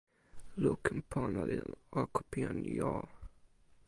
lukin pona li lon oko pi jan jo.